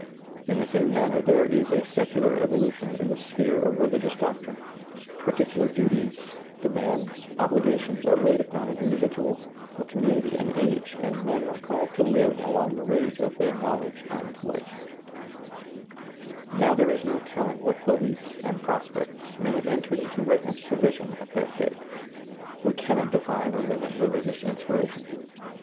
In the same manner there is a secular evolution in the sphere of religious doc trine ; particular duties, demands, obligations are ^lailizccbvGoOgle 32 SEEING DARKLY laid Upon an individual, a community, an age, and men are called to live along the range of their knowledge and light Now there is no telling what beliefs and pros pects may have entered into Rahab's prevision at that date. We cannot define or limit religious inspiration.